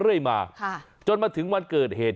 เรื่อยมาจนมาถึงวันเกิดเหตุ